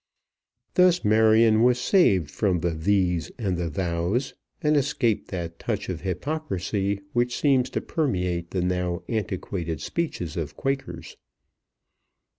Thus Marion was saved from the "thees" and the "thous," and escaped that touch of hypocrisy which seems to permeate the now antiquated speeches of Quakers.